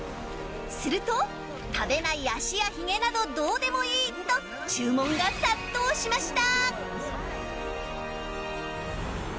すると食べない脚やヒゲなどどうでもいいと注文が殺到しました。